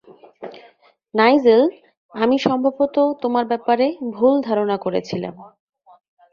Nigel, আমি সম্ভবত তোমার ব্যাপারে ভুল ধারণা করেছিলাম।